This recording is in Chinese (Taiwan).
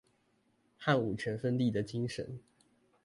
和五權分立的精神